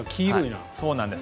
そうなんです。